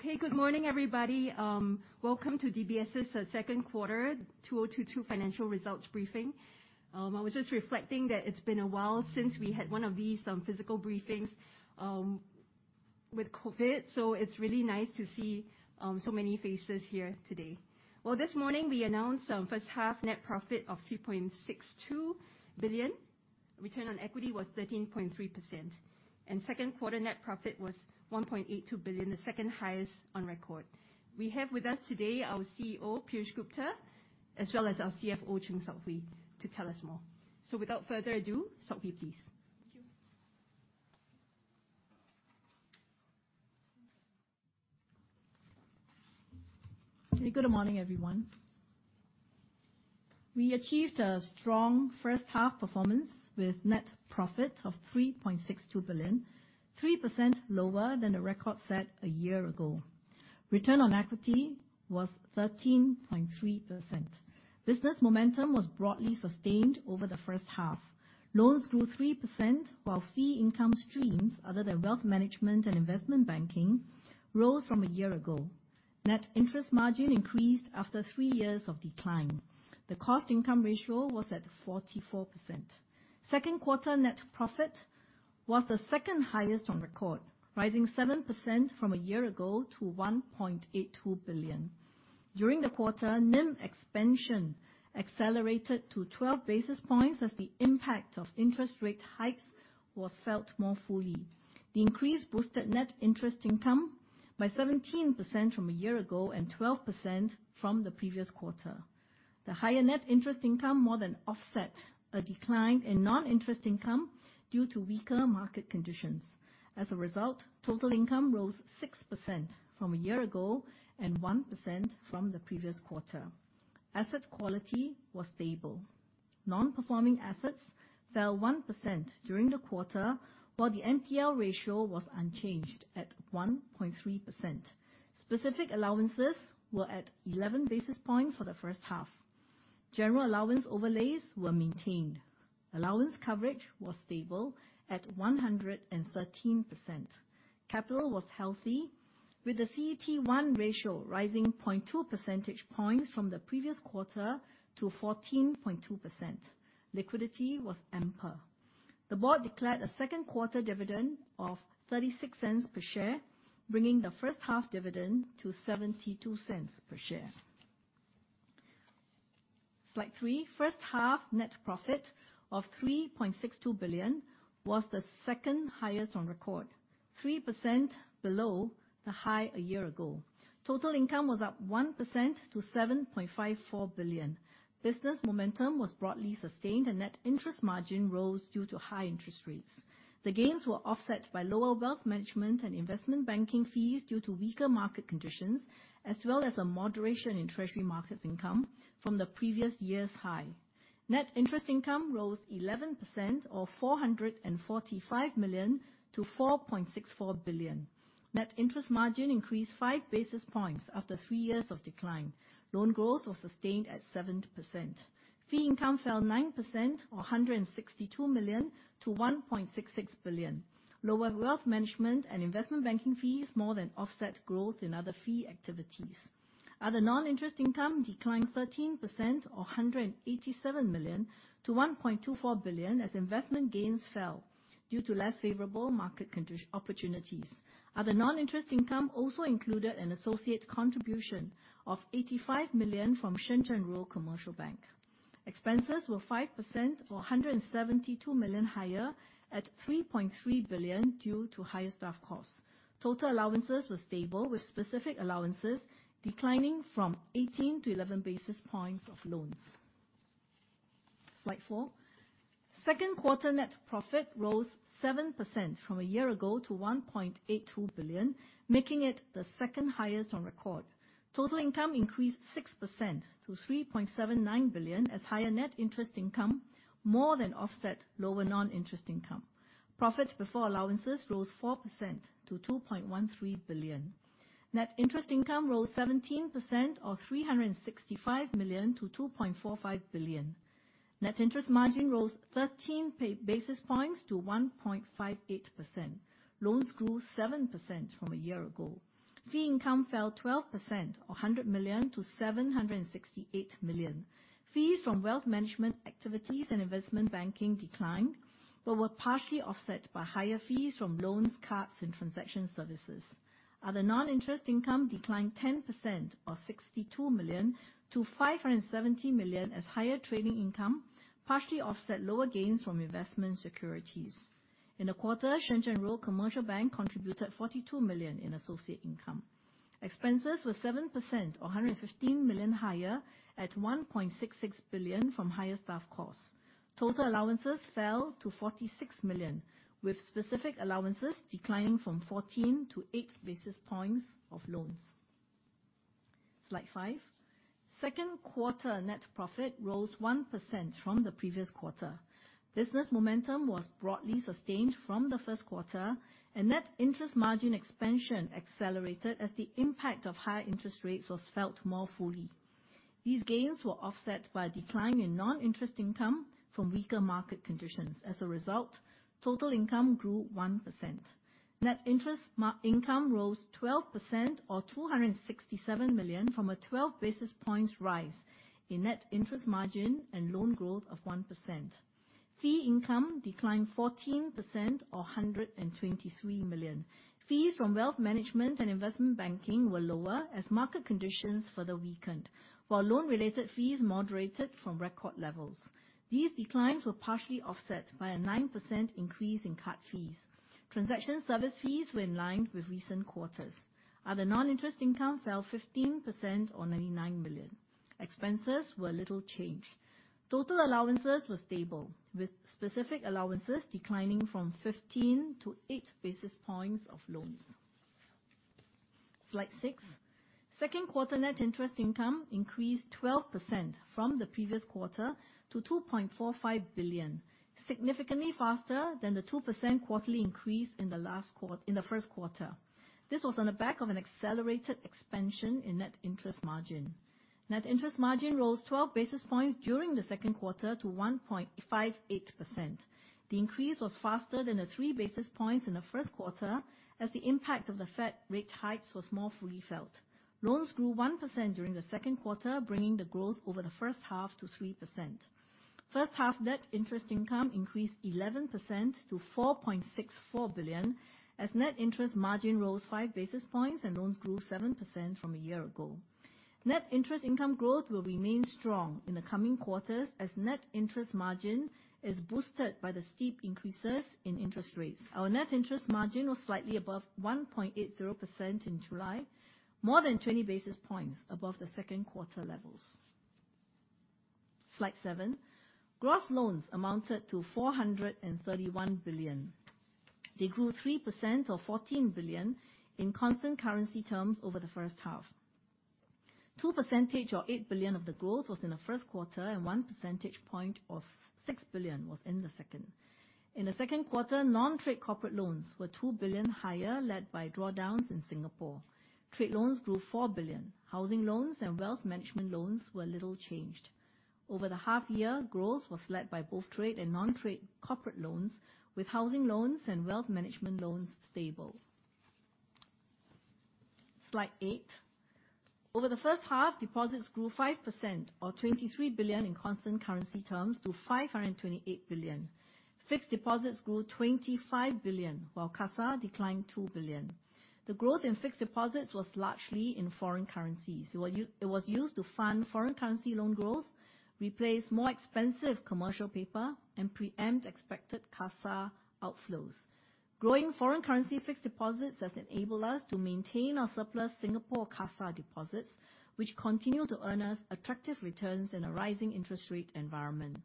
Okay, good morning, everybody. Welcome to DBS's second quarter 2022 financial results briefing. I was just reflecting that it's been a while since we had one of these physical briefings with COVID. It's really nice to see so many faces here today. Well, this morning we announced first half net profit of 3.62 billion. Return on equity was 13.3%, and second quarter net profit was 1.82 billion, the second highest on record. We have with us today our CEO, Piyush Gupta, as well as our CFO, Chng Sok Hui, to tell us more. Without further ado, Sok Hui, please. Thank you. Okay, good morning, everyone. We achieved a strong first half performance with net profit of 3.62 billion, 3% lower than the record set a year ago. Return on equity was 13.3%. Business momentum was broadly sustained over the first half. Loans grew 3%, while fee income streams, other than wealth management and investment banking, rose from a year ago. Net interest margin increased after three years of decline. The cost income ratio was at 44%. Second quarter net profit was the second highest on record, rising 7% from a year ago to 1.82 billion. During the quarter, NIM expansion accelerated to 12 basis points as the impact of interest rate hikes was felt more fully. The increase boosted net interest income by 17% from a year ago and 12% from the previous quarter. The higher net interest income more than offset a decline in non-interest income due to weaker market conditions. As a result, total income rose 6% from a year ago and 1% from the previous quarter. Asset quality was stable. Non-performing assets fell 1% during the quarter, while the NPL ratio was unchanged at 1.3%. Specific allowances were at 11 basis points for the first half. General allowance overlays were maintained. Allowance coverage was stable at 113%. Capital was healthy with the CET1 ratio rising 0.2 percentage points from the previous quarter to 14.2%. Liquidity was ample. The board declared a second quarter dividend of 0.36 per share, bringing the first half dividend to 0.72 per share. Slide three. First half net profit of 3.62 billion was the second highest on record, 3% below the high a year ago. Total income was up 1% to 7.54 billion. Business momentum was broadly sustained, and net interest margin rose due to high interest rates. The gains were offset by lower wealth management and investment banking fees due to weaker market conditions, as well as a moderation in treasury markets income from the previous year's high. Net interest income rose 11% or 445 million to 4.64 billion. Net interest margin increased five basis points after three years of decline. Loan growth was sustained at 7%. Fee income fell 9% or 162 million to 1.66 billion. Lower wealth management and investment banking fees more than offset growth in other fee activities. Other non-interest income declined 13% or 187 million to 1.24 billion as investment gains fell due to less favorable market opportunities. Other non-interest income also included an associate contribution of 85 million from Shenzhen Rural Commercial Bank. Expenses were 5% or 172 million higher at 3.3 billion due to higher staff costs. Total allowances were stable, with specific allowances declining from 18 to 11 basis points of loans. Slide four. Second quarter net profit rose 7% from a year ago to 1.82 billion, making it the second highest on record. Total income increased 6% to 3.79 billion as higher net interest income more than offset lower non-interest income. Profit before allowances rose 4% to 2.13 billion. Net interest income rose 17% or 365 million to 2.45 billion. Net interest margin rose 13 basis points to 1.58%. Loans grew 7% from a year ago. Fee income fell 12% or 100 million to 768 million. Fees from wealth management activities and investment banking declined, but were partially offset by higher fees from loans, cards, and transaction services. Other non-interest income declined 10% or 62 million to 570 million as higher trading income partially offset lower gains from investment securities. In the quarter, Shenzhen Rural Commercial Bank contributed 42 million in associate income. Expenses were 7% or 115 million higher at 1.66 billion from higher staff costs. Total allowances fell to 46 million, with specific allowances declining from 14 to 8 basis points of loans. Slide five. Second quarter net profit rose 1% from the previous quarter. Business momentum was broadly sustained from the first quarter, and net interest margin expansion accelerated as the impact of higher interest rates was felt more fully. These gains were offset by a decline in non-interest income from weaker market conditions. As a result, total income grew 1%. Net interest income rose 12% or 267 million from a 12 basis points rise in net interest margin and loan growth of 1%. Fee income declined 14% or 123 million. Fees from wealth management and investment banking were lower as market conditions further weakened, while loan-related fees moderated from record levels. These declines were partially offset by a 9% increase in card fees. Transaction service fees were in line with recent quarters. Other non-interest income fell 15% or 99 million. Expenses were little changed. Total allowances were stable, with specific allowances declining from 15 to eight basis points of loans. Slide six. Second quarter net interest income increased 12% from the previous quarter to 2.45 billion, significantly faster than the 2% quarterly increase in the first quarter. This was on the back of an accelerated expansion in net interest margin. Net interest margin rose 12 basis points during the second quarter to 1.58%. The increase was faster than the three basis points in the first quarter, as the impact of the Fed rate hikes was more fully felt. Loans grew 1% during the second quarter, bringing the growth over the first half to 3%. First half net interest income increased 11% to 4.64 billion, as net interest margin rose five basis points and loans grew 7% from a year ago. Net interest income growth will remain strong in the coming quarters as net interest margin is boosted by the steep increases in interest rates. Our net interest margin was slightly above 1.80% in July, more than 20 basis points above the second quarter levels. Slide seven. Gross loans amounted to SGD 431 billion. They grew 3%, or SGD 14 billion, in constant currency terms over the first half. Two percentage points or SGD 8 billion of the growth was in the first quarter, and one percentage point, or SGD 6 billion, was in the second. In the second quarter, non-trade corporate loans were SGD 2 billion higher, led by drawdowns in Singapore. Trade loans grew SGD 4 billion. Housing loans and wealth management loans were little changed. Over the half year, growth was led by both trade and non-trade corporate loans, with housing loans and wealth management loans stable. Slide eight. Over the first half, deposits grew 5%, or SGD 23 billion in constant currency terms, to SGD 528 billion. Fixed deposits grew SGD 25 billion, while CASA declined SGD 2 billion. The growth in fixed deposits was largely in foreign currencies. It was used to fund foreign currency loan growth, replace more expensive commercial paper, and preempt expected CASA outflows. Growing foreign currency fixed deposits has enabled us to maintain our surplus Singapore CASA deposits, which continue to earn us attractive returns in a rising interest rate environment.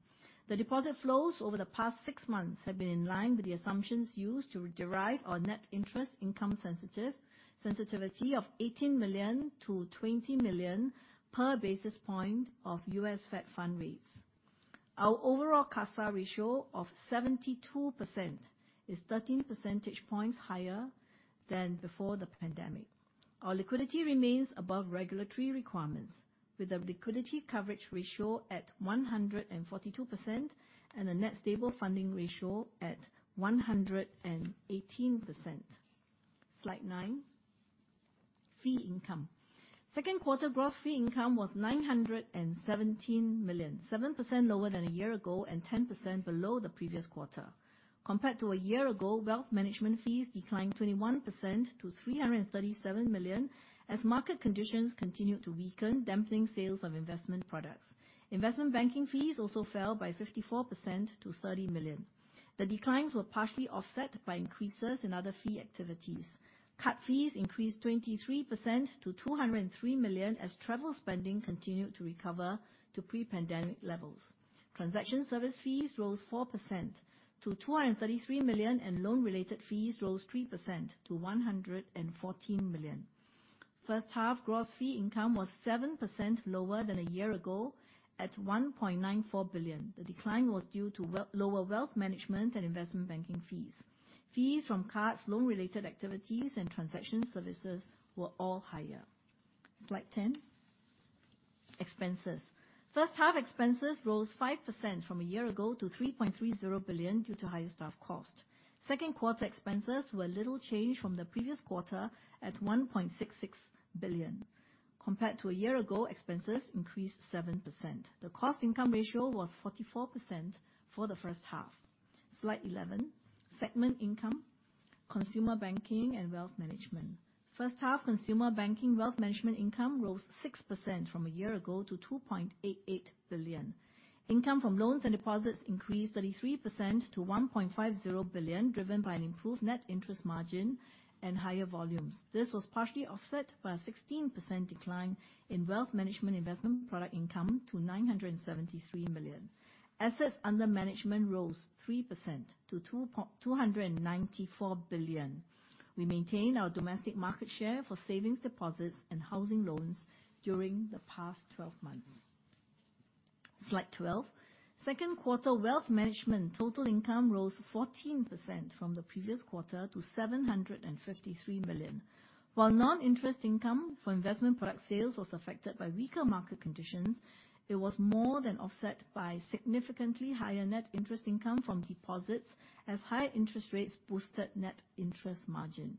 The deposit flows over the past six months have been in line with the assumptions used to derive our net interest income sensitivity of 18 million-20 million per basis point of U.S. Fed fund rates. Our overall CASA ratio of 72% is 13 percentage points higher than before the pandemic. Our liquidity remains above regulatory requirements, with a liquidity coverage ratio at 142% and a net stable funding ratio at 118%. Slide nine. Fee income. Second quarter gross fee income was 917 million, 7% lower than a year ago and 10% below the previous quarter. Compared to a year ago, wealth management fees declined 21% to 337 million as market conditions continued to weaken, dampening sales of investment products. Investment banking fees also fell by 54% to 30 million. The declines were partially offset by increases in other fee activities. Card fees increased 23% to 203 million as travel spending continued to recover to pre-pandemic levels. Transaction service fees rose 4% to 233 million, and loan-related fees rose 3% to 114 million. First half gross fee income was 7% lower than a year ago at 1.94 billion. The decline was due to lower wealth management and investment banking fees. Fees from cards, loan-related activities, and transaction services were all higher. Slide 10. Expenses. First half expenses rose 5% from a year ago to 3.30 billion due to higher staff cost. Second quarter expenses were little changed from the previous quarter at 1.66 billion. Compared to a year ago, expenses increased 7%. The cost income ratio was 44% for the first half. Slide 11. Segment income, Consumer Banking and Wealth Management. First half Consumer Banking and Wealth Management income rose 6% from a year ago to 2.88 billion. Income from loans and deposits increased 33% to 1.50 billion, driven by an improved net interest margin and higher volumes. This was partially offset by a 16% decline in wealth management investment product income to 973 million. Assets under management rose 3% to 294 billion. We maintained our domestic market share for savings deposits and housing loans during the past 12 months. Slide 12. Second quarter wealth management total income rose 14% from the previous quarter to 753 million. While non-interest income for investment product sales was affected by weaker market conditions, it was more than offset by significantly higher net interest income from deposits as higher interest rates boosted net interest margin.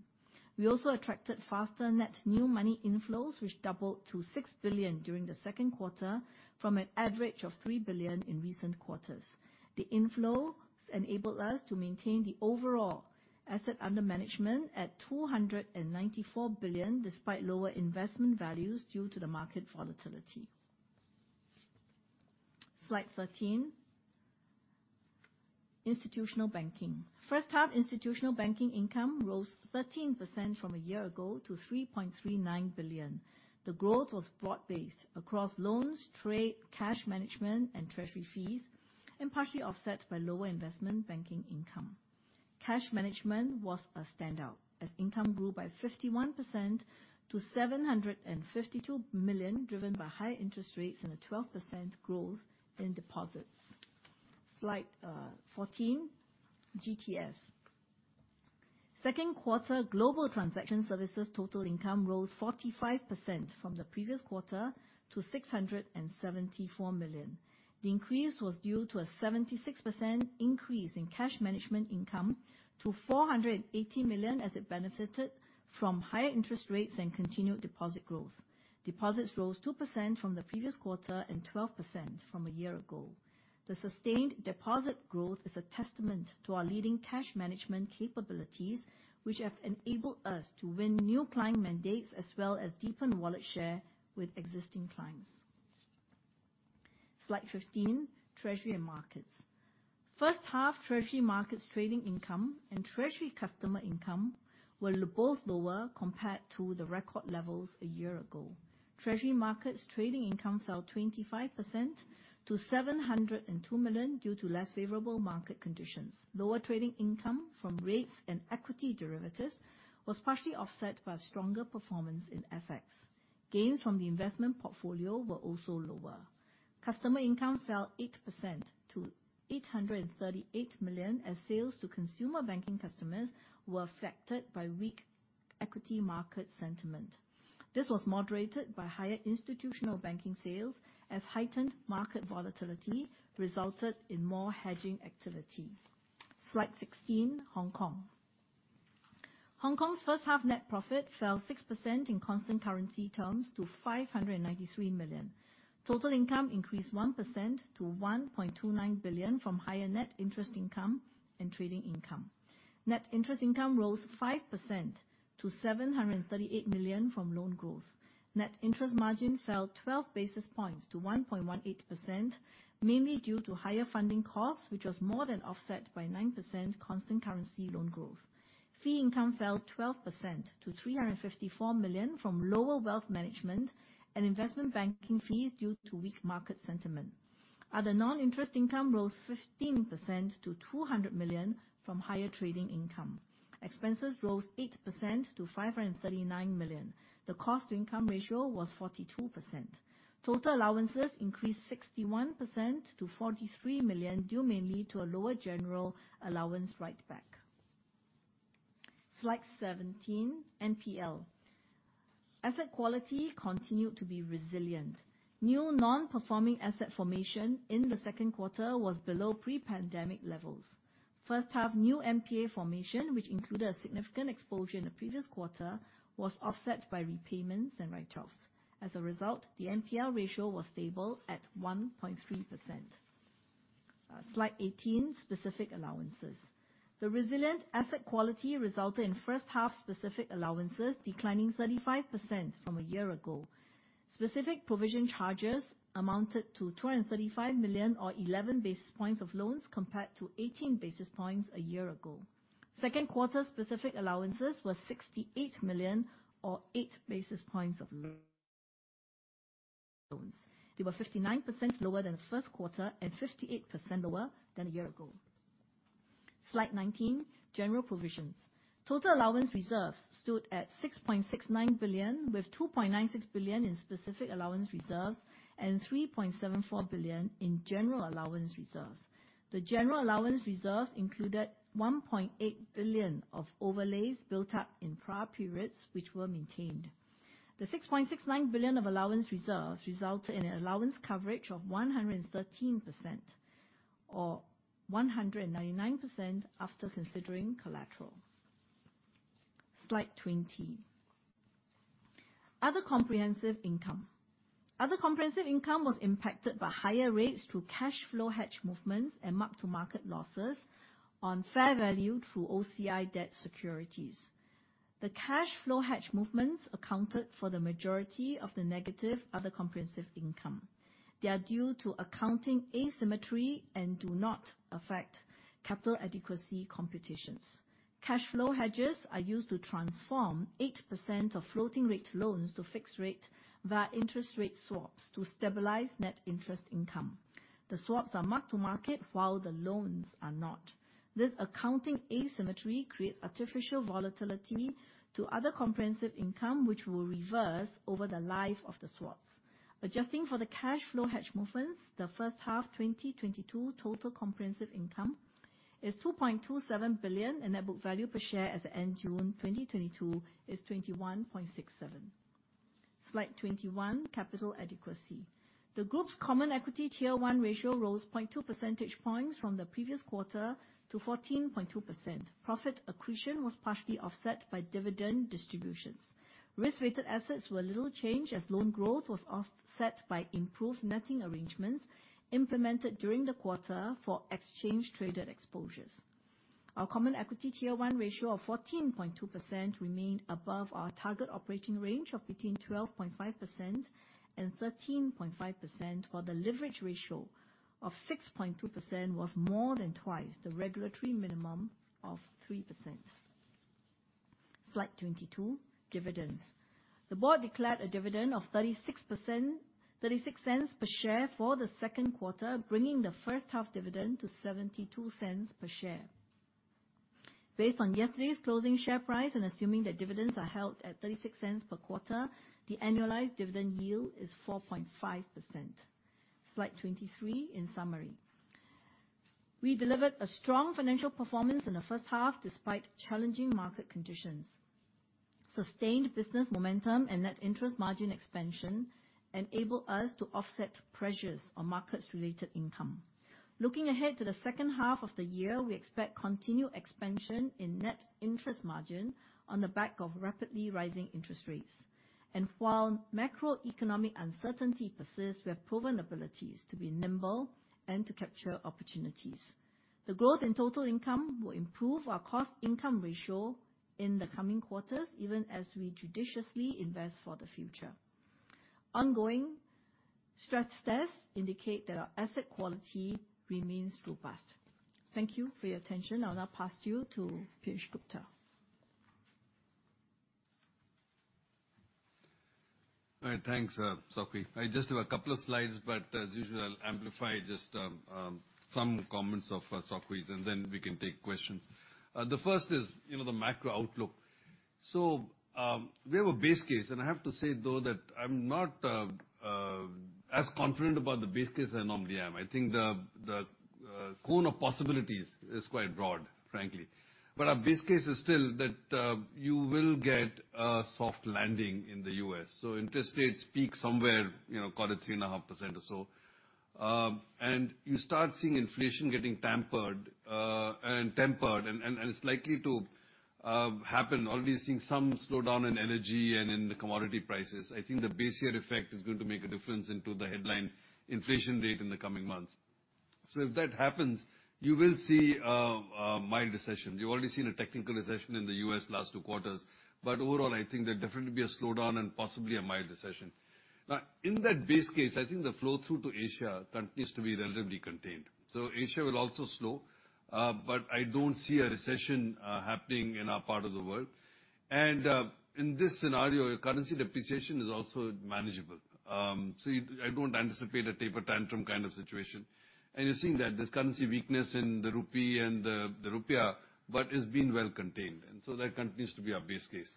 We also attracted faster net new money inflows, which doubled to 6 billion during the second quarter from an average of 3 billion in recent quarters. The inflows enabled us to maintain the overall assets under management at 294 billion, despite lower investment values due to the market volatility. Slide 13. Institutional Banking. First-half Institutional Banking income rose 13% from a year ago to 3.39 billion. The growth was broad-based across loans, trade, cash management, and treasury fees, and partially offset by lower investment banking income. Cash management was a standout as income grew by 51% to 752 million, driven by high interest rates and a 12% growth in deposits. Slide 14, GTS. Second quarter global transaction services total income rose 45% from the previous quarter to 674 million. The increase was due to a 76% increase in cash management income to 480 million as it benefited from higher interest rates and continued deposit growth. Deposits rose 2% from the previous quarter and 12% from a year ago. The sustained deposit growth is a testament to our leading cash management capabilities, which have enabled us to win new client mandates as well as deepen wallet share with existing clients. Slide 15, Treasury and Markets. First half Treasury and Markets trading income and treasury customer income were both lower compared to the record levels a year ago. Treasury and Markets trading income fell 25% to 702 million due to less favorable market conditions. Lower trading income from rates and equity derivatives was partially offset by a stronger performance in FX. Gains from the investment portfolio were also lower. Customer income fell 8% to 838 million as sales to consumer banking customers were affected by weak equity market sentiment. This was moderated by higher Institutional Banking sales as heightened market volatility resulted in more hedging activity. Slide 16. Hong Kong. Hong Kong's first half net profit fell 6% in constant currency terms to 593 million. Total income increased 1% to 1.29 billion from higher net interest income and trading income. Net interest income rose 5% to 738 million from loan growth. Net interest margin fell 12 basis points to 1.18%, mainly due to higher funding costs, which was more than offset by 9% constant currency loan growth. Fee income fell 12% to 354 million from lower wealth management and investment banking fees due to weak market sentiment. Other non-interest income rose 15% to 200 million from higher trading income. Expenses rose 8% to 539 million. The cost to income ratio was 42%. Total allowances increased 61% to 43 million, due mainly to a lower general allowance writeback. Slide 17, NPL. Asset quality continued to be resilient. New non-performing asset formation in the second quarter was below pre-pandemic levels. First half new NPA formation, which included a significant exposure in the previous quarter, was offset by repayments and write-offs. As a result, the NPL ratio was stable at 1.3%. Slide 18, Specific Allowances. The resilient asset quality resulted in first half specific allowances declining 35% from a year ago. Specific provision charges amounted to 235 million or 11 basis points of loans, compared to 18 basis points a year ago. Second quarter specific allowances were 68 million or eight basis points of loans. They were 59% lower than the first quarter and 58% lower than a year ago. Slide 19, General Provisions. Total allowance reserves stood at 6.69 billion, with 2.96 billion in specific allowance reserves and 3.74 billion in general allowance reserves. The general allowance reserves included 1.8 billion of overlays built up in prior periods which were maintained. The 6.69 billion of allowance reserves resulted in an allowance coverage of 113%, or 199% after considering collateral. Slide 20, Other Comprehensive Income. Other comprehensive income was impacted by higher rates through cash flow hedge movements and mark-to-market losses on fair value through OCI debt securities. The cash flow hedge movements accounted for the majority of the negative other comprehensive income. They are due to accounting asymmetry and do not affect capital adequacy computations. Cash flow hedges are used to transform 8% of floating rate loans to fixed rate via interest rate swaps to stabilize net interest income. The swaps are mark-to-market, while the loans are not. This accounting asymmetry creates artificial volatility to Other Comprehensive Income, which will reverse over the life of the swaps. Adjusting for the Cash Flow Hedge movements, the first half 2022 total comprehensive income is 2.27 billion, and net book value per share at the end June 2022 is 21.67. Slide 21, capital adequacy. The Group's Common Equity Tier 1 ratio rose 0.2 percentage points from the previous quarter to 14.2%. Profit accretion was partially offset by dividend distributions. Risk-Weighted Assets were little changed as loan growth was offset by improved netting arrangements implemented during the quarter for exchange-traded exposures. Our Common Equity Tier 1 ratio of 14.2% remained above our target operating range of between 12.5% and 13.5%, while the Leverage Ratio of 6.2% was more than twice the regulatory minimum of 3%. Slide 22, dividends. The board declared a dividend of 0.36 per share for the second quarter, bringing the first half dividend to 0.72 per share. Based on yesterday's closing share price and assuming that dividends are held at 0.36 per quarter, the annualized dividend yield is 4.5%. Slide 23, in summary. We delivered a strong financial performance in the first half despite challenging market conditions. Sustained business momentum and net interest margin expansion enabled us to offset pressures on markets-related income. Looking ahead to the second half of the year, we expect continued expansion in net interest margin on the back of rapidly rising interest rates. While macroeconomic uncertainty persists, we have proven abilities to be nimble and to capture opportunities. The growth in total income will improve our cost income ratio in the coming quarters, even as we judiciously invest for the future. Ongoing stress tests indicate that our asset quality remains robust. Thank you for your attention. I'll now pass you to Piyush Gupta. All right, thanks, Sok Hui. I just have a couple of slides, but as usual, I'll amplify just some comments of Sok Hui's, and then we can take questions. The first is, you know, the macro outlook. We have a base case, and I have to say though that I'm not as confident about the base case as I normally am. I think the cone of possibilities is quite broad, frankly. Our base case is still that you will get a soft landing in the U.S. Interest rates peak somewhere, you know, call it 3.5% or so. You start seeing inflation getting tempered, and it's likely to happen. Already seeing some slowdown in energy and in the commodity prices. I think the base year effect is going to make a difference into the headline inflation rate in the coming months. If that happens, you will see a mild recession. You've already seen a technical recession in the U.S. last two quarters. Overall, I think there'll definitely be a slowdown and possibly a mild recession. Now, in that base case, I think the flow through to Asia continues to be relatively contained. Asia will also slow, but I don't see a recession happening in our part of the world. In this scenario, currency depreciation is also manageable. I don't anticipate a taper tantrum kind of situation. You're seeing that there's currency weakness in the rupee and the rupiah, but it's been well contained. That continues to be our base case.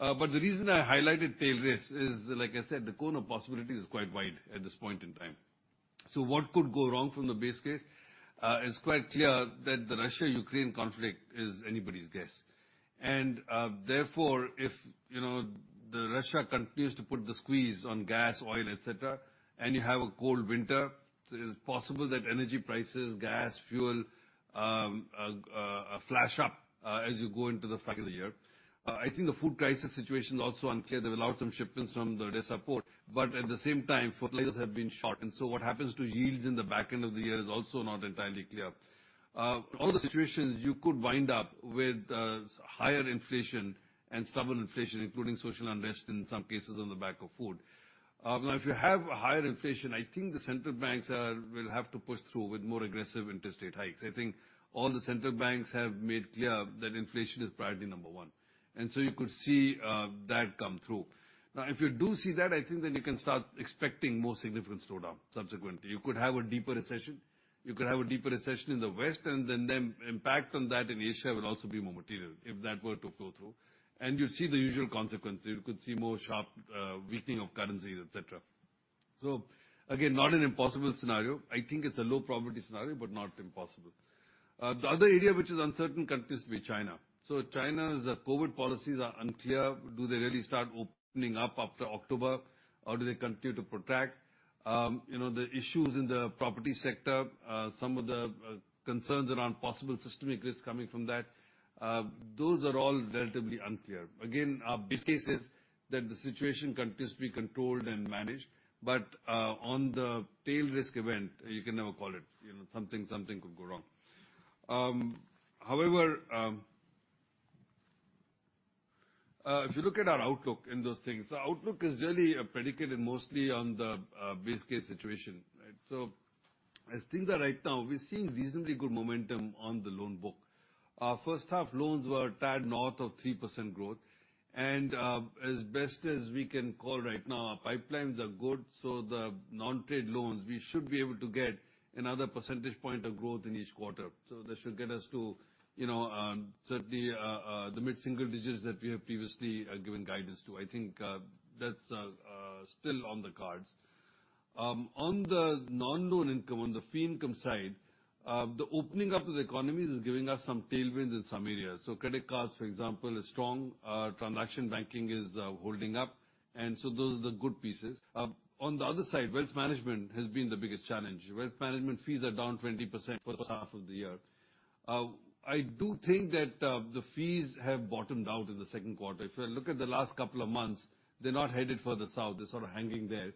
The reason I highlighted tail risk is, like I said, the cone of possibilities is quite wide at this point in time. What could go wrong from the base case? It's quite clear that the Russia-Ukraine conflict is anybody's guess. Therefore, if, you know, Russia continues to put the squeeze on gas, oil, etc., and you have a cold winter, it is possible that energy prices, gas, fuel, flash up as you go into the second half of the year. I think the food crisis situation is also unclear. There were lots of shipments from the ports, but at the same time, food supplies have been short. What happens to yields in the back end of the year is also not entirely clear. All the situations you could wind up with higher inflation and stubborn inflation, including social unrest in some cases on the back of food. Now if you have a higher inflation, I think the central banks will have to push through with more aggressive interest rate hikes. I think all the central banks have made clear that inflation is priority number one. You could see that come through. Now, if you do see that, I think then you can start expecting more significant slowdown subsequently. You could have a deeper recession. You could have a deeper recession in the West, and then the impact on that in Asia will also be more material if that were to flow through. You'll see the usual consequences. You could see more sharp weakening of currencies, et cetera. Again, not an impossible scenario. I think it's a low probability scenario, but not impossible. The other area which is uncertain continues to be China. China's COVID policies are unclear. Do they really start opening up after October, or do they continue to protract? You know, the issues in the property sector, some of the concerns around possible systemic risks coming from that, those are all relatively unclear. Again, our base case is that the situation continues to be controlled and managed, but on the tail risk event, you can never call it. You know, something could go wrong. However, if you look at our outlook in those things, our outlook is really predicated mostly on the base case situation, right? I think that right now we're seeing reasonably good momentum on the loan book. Our first half loans were a tad north of 3% growth. As best as we can call right now, our pipelines are good, so the non-trade loans, we should be able to get another percentage point of growth in each quarter. That should get us to, you know, certainly the mid-single digits that we have previously given guidance to. I think that's still on the cards. On the non-loan income, on the fee income side, the opening up of the economy is giving us some tailwinds in some areas. Credit cards, for example, are strong. Transaction banking is holding up. Those are the good pieces. On the other side, wealth management has been the biggest challenge. Wealth management fees are down 20% for the first half of the year. I do think that the fees have bottomed out in the second quarter. If you look at the last couple of months, they're not headed further south. They're sort of hanging there.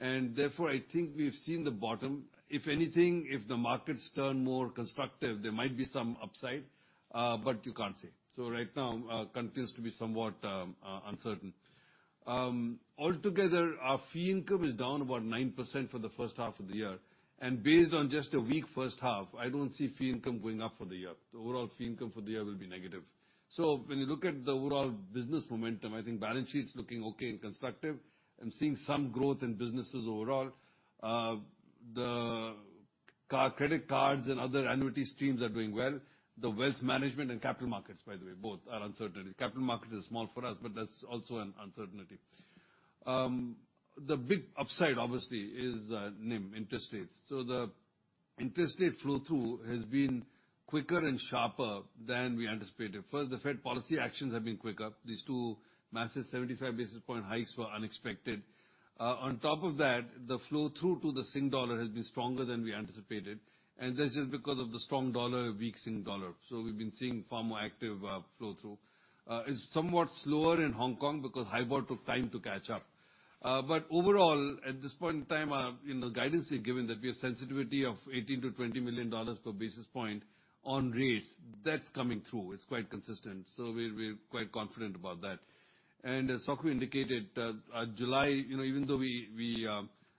Therefore, I think we've seen the bottom. If anything, if the markets turn more constructive, there might be some upside, but you can't say. Right now, continues to be somewhat uncertain. Altogether, our fee income is down about 9% for the first half of the year. Based on just a weak first half, I don't see fee income going up for the year. The overall fee income for the year will be negative. When you look at the overall business momentum, I think balance sheet's looking okay and constructive. I'm seeing some growth in businesses overall. Credit cards and other annuity streams are doing well. The wealth management and capital markets, by the way, both are uncertainty. Capital market is small for us, but that's also an uncertainty. The big upside, obviously, is NIM, interest rates. The interest rate flow-through has been quicker and sharper than we anticipated. First, the Fed policy actions have been quicker. These two massive 75 basis point hikes were unexpected. On top of that, the flow-through to the Singapore dollar has been stronger than we anticipated, and that's just because of the strong dollar, weak Singapore dollar. We've been seeing far more active flow-through. It's somewhat slower in Hong Kong because HIBOR took time to catch up. Overall, at this point in time, in the guidance we've given, that we have sensitivity of 18 million-20 million dollars per basis point on rates, that's coming through. It's quite consistent, so we're quite confident about that. As Sok Hui indicated, July, even though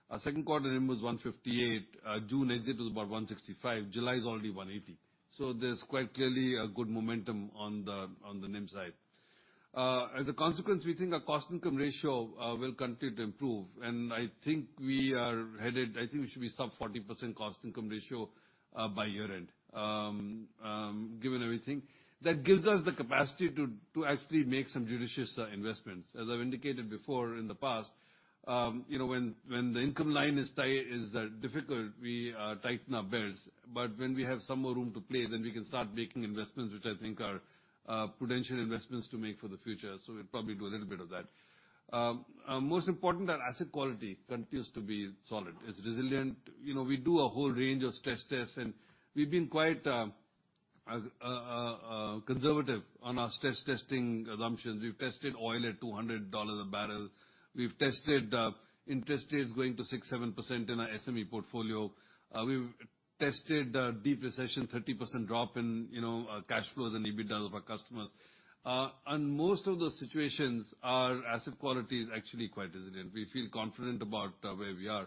our second quarter NIM was 1.58%, June exit was about 1.65%, July is already 1.80%. There's quite clearly a good momentum on the NIM side. As a consequence, we think our cost income ratio will continue to improve. I think we are headed, I think we should be sub 40% cost income ratio by year-end, given everything. That gives us the capacity to actually make some judicious investments. As I've indicated before in the past, you know, when the income line is difficult, we tighten our belts. When we have some more room to play, then we can start making investments which I think are prudent investments to make for the future. We'll probably do a little bit of that. Most important, our asset quality continues to be solid. It's resilient. You know, we do a whole range of stress tests, and we've been quite conservative on our stress testing assumptions. We've tested oil at 200 dollars a barrel. We've tested interest rates going to 6%-7% in our SME portfolio. We've tested deep recession, 30% drop in, you know, cash flows and EBITDA of our customers. On most of those situations, our asset quality is actually quite resilient. We feel confident about where we are.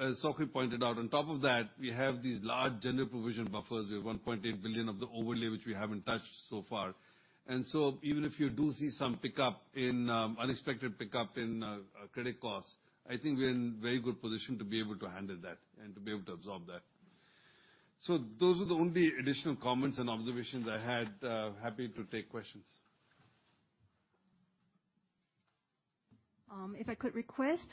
As Sok Hui pointed out, on top of that, we have these large general provision buffers. We have 1.8 billion of the overlay which we haven't touched so far. Even if you do see some unexpected pickup in credit costs, I think we're in very good position to be able to handle that and to be able to absorb that. Those are the only additional comments and observations I had. Happy to take questions. If I could request,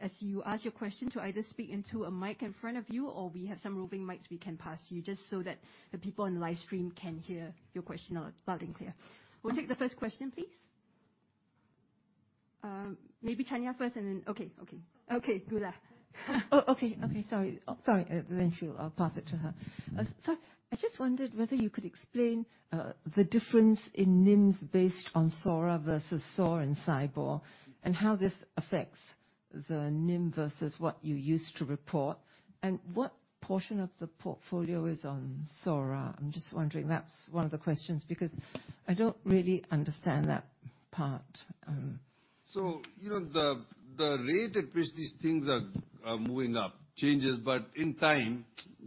as you ask your question to either speak into a mic in front of you, or we have some roving mics we can pass you, just so that the people on the live stream can hear your question loud and clear. We'll take the first question, please. Maybe [Tanya] first and then? Okay, [Gulah]. Sorry. She'll pass it to her. I just wondered whether you could explain the difference in NIMs based on SORA versus SOR and SIBOR, and how this affects the NIM versus what you used to report? What portion of the portfolio is on SORA? I'm just wondering. That's one of the questions, because I don't really understand that part. You know, the rate at which these things are moving up changes, but in time,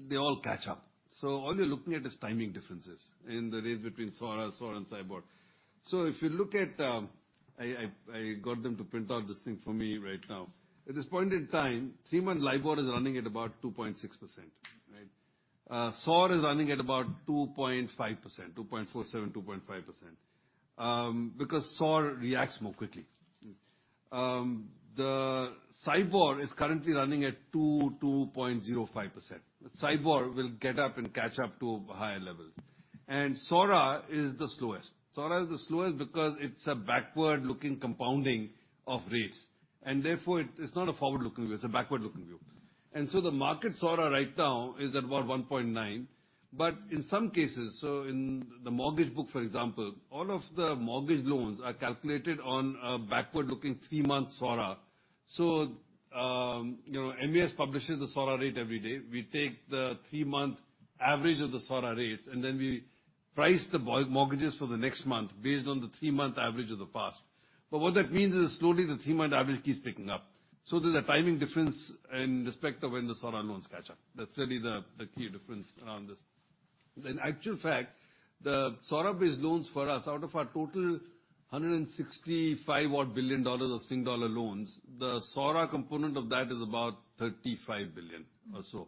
they all catch up. All you're looking at is timing differences in the rates between SORA, SOR, and SIBOR. If you look at, I got them to print out this thing for me right now. At this point in time, three-month LIBOR is running at about 2.6%, right? SOR is running at about 2.5%, 2.47, 2.5%, because SOR reacts more quickly. The SIBOR is currently running at 2.05%. SIBOR will get up and catch up to higher levels. SORA is the slowest. SORA is the slowest because it's a backward-looking compounding of rates, and therefore it's not a forward-looking view, it's a backward-looking view. The market SORA right now is at about 1.9%. In some cases, so in the mortgage book, for example, all of the mortgage loans are calculated on a backward-looking three-month SORA. You know, MAS publishes the SORA rate every day. We take the three-month average of the SORA rate, and then we price the mortgages for the next month based on the three-month average of the past. What that means is slowly the three-month average keeps picking up. There's a timing difference in respect of when the SORA loans catch up. That's really the key difference around this. In actual fact, the SORA-based loans for us, out of our total 165 billion dollars-odd of Singapore dollar loans, the SORA component of that is about 35 billion or so.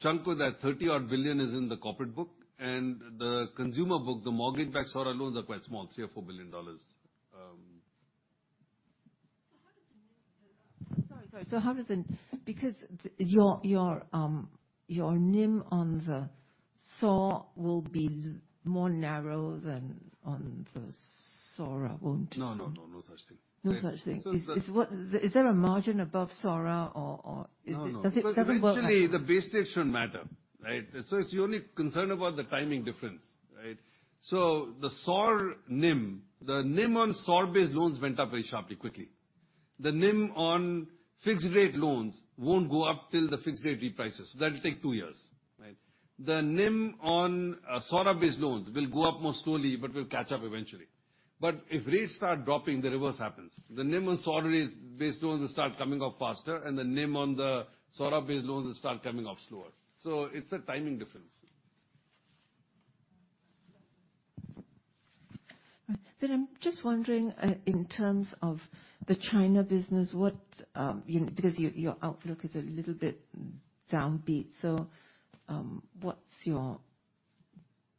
Chunk of that 30 billion-odd is in the corporate book. The consumer book, the mortgage-backed SORA loans are quite small, 3 billion or 4 billion dollars. How does the NIM, because your NIM on the SOR will be more narrow than on the SORA, won't it? No such thing. No such thing. So it's the- Is there a margin above SORA or is it? No, no. Does it work like that? Eventually the base rate shouldn't matter, right? It's, you're only concerned about the timing difference, right? The SOR NIM, the NIM on SOR-based loans went up very sharply, quickly. The NIM on fixed rate loans won't go up till the fixed rate reprices. That'll take two years, right? The NIM on SORA-based loans will go up more slowly, but will catch up eventually. If rates start dropping, the reverse happens. The NIM on SOR-based loans will start coming off faster, and the NIM on the SORA-based loans will start coming off slower. It's a timing difference. Right. I'm just wondering, in terms of the China business, what, you know, because your outlook is a little bit downbeat. What's your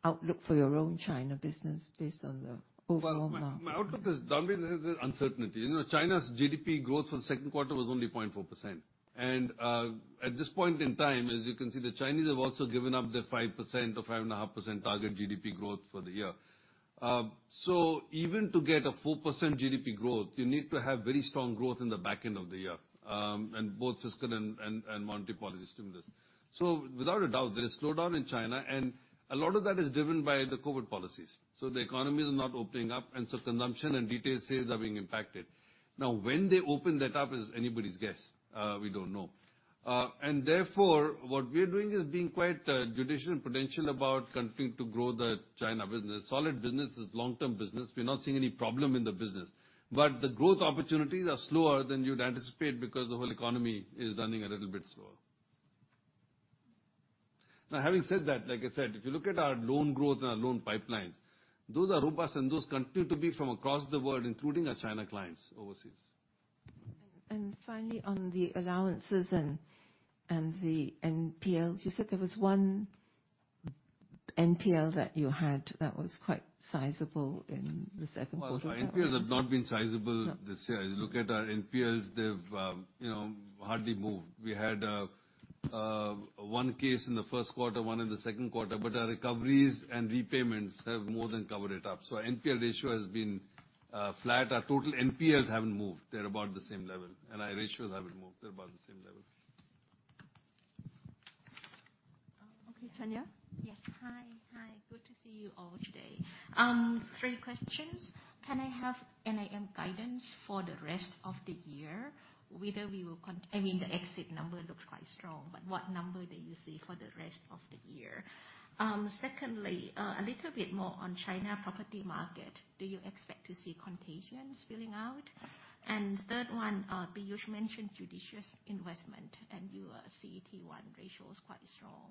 outlook for your own China business based on the overall market? Well, my outlook is downbeat because there's uncertainty. You know, China's GDP growth for the second quarter was only 0.4%. At this point in time, as you can see, the Chinese have also given up their 5% or 5.5% target GDP growth for the year. Even to get a 4% GDP growth, you need to have very strong growth in the back end of the year, and both fiscal and monetary policy stimulus. Without a doubt, there is slowdown in China, and a lot of that is driven by the COVID policies. The economy is not opening up, and so consumption and retail sales are being impacted. Now, when they open that up is anybody's guess. We don't know. Therefore, what we are doing is being quite judicious and prudential about continuing to grow the China business. Solid business is long-term business. We're not seeing any problem in the business. The growth opportunities are slower than you'd anticipate because the whole economy is running a little bit slower. Now, having said that, like I said, if you look at our loan growth and our loan pipelines, those are robust and those continue to be from across the world, including our China clients overseas. Finally, on the allowances and the NPL, you said there was one NPL that you had that was quite sizable in the second quarter. Well, our NPLs have not been sizable this year. No. If you look at our NPLs, they've, you know, hardly moved. We had one case in the first quarter, one in the second quarter, but our recoveries and repayments have more than covered it up. Our NPL ratio has been flat. Our total NPLs haven't moved. They're about the same level. Our ratios haven't moved. They're about the same level. Okay. Tanya? Yes. Hi. Hi. Good to see you all today. Three questions. Can I have NIM guidance for the rest of the year? The exit number looks quite strong, but what number do you see for the rest of the year? Secondly, a little bit more on China property market. Do you expect to see contagions spilling out? Third one, Piyush mentioned judicious investment, and your CET1 ratio is quite strong.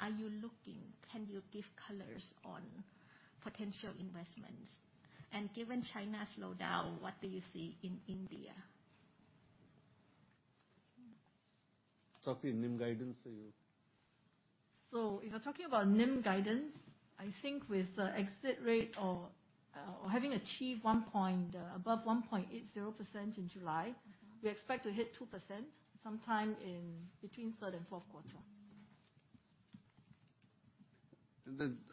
Are you looking? Can you give colors on potential investments? Given China's slowdown, what do you see in India? Sok Hui, NIM guidance. If you're talking about NIM guidance, I think with the exit rate or having achieved one point above 1.80% in July, we expect to hit 2% sometime in between third and fourth quarter.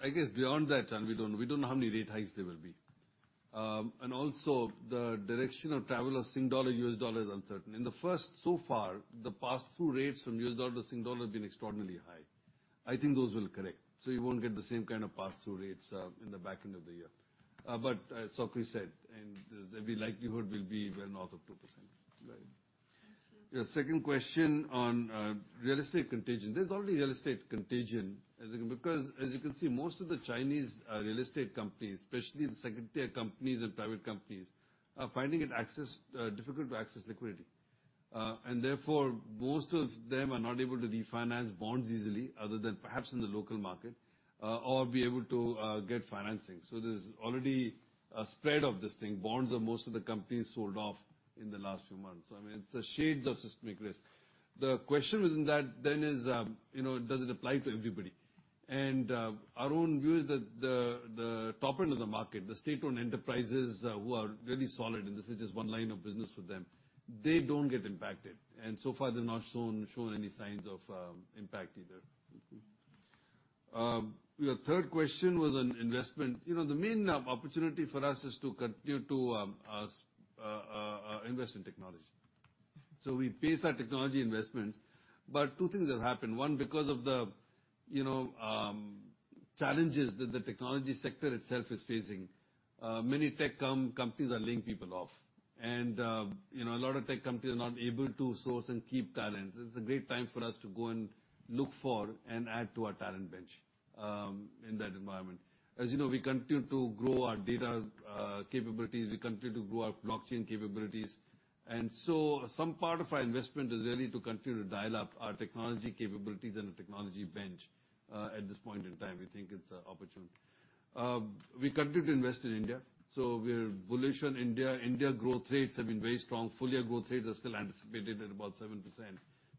I guess beyond that, and we don't know how many rate hikes there will be. Also the direction of travel of Singapore dollar, U.S. dollar is uncertain. In the first half so far, the pass-through rates from U.S. dollar to Singapore dollar have been extraordinarily high. I think those will correct. You won't get the same kind of pass-through rates in the back half of the year. As Sok Hui said, and the likelihood will be well north of 2%. Right. Thank you. Your second question on real estate contagion. There's already real estate contagion, because as you can see, most of the Chinese real estate companies, especially the second tier companies and private companies, are finding it difficult to access liquidity. And therefore, most of them are not able to refinance bonds easily other than perhaps in the local market, or be able to get financing. There's already a spread of this thing. Bonds of most of the companies sold off in the last few months. I mean, it's the shades of systemic risk. The question within that then is, you know, does it apply to everybody? Our own view is that the top end of the market, the state-owned enterprises who are really solid, and this is just one line of business for them, they don't get impacted. So far, they've not shown any signs of impact either. Your third question was on investment. You know, the main opportunity for us is to continue to invest in technology. We pace our technology investments, but two things have happened. One, because of the, you know, challenges that the technology sector itself is facing, many tech companies are laying people off. You know, a lot of tech companies are not able to source and keep talent. This is a great time for us to go and look for and add to our talent bench in that environment. As you know, we continue to grow our data capabilities. We continue to grow our blockchain capabilities. Some part of our investment is really to continue to dial up our technology capabilities and our technology bench at this point in time. We think it's opportune. We continue to invest in India. We're bullish on India. India growth rates have been very strong. Full year growth rates are still anticipated at about 7%.